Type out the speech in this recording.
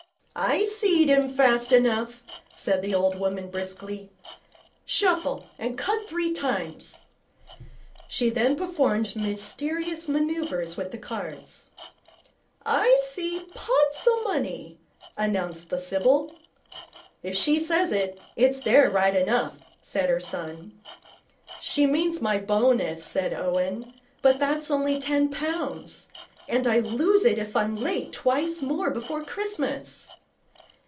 'I seed him fast enough,' said the old woman, briskly. 'Shuffle, an' cut three times.' She then performed mysterious manoeuvres with the cards. 'I see pots o' money,' announced the sibyl. 'If she says it, it's there right enough,' said her son. 'She means my bonus,' said Owen. 'But that's only ten pounds. And I lose it if I'm late twice more before Christmas.'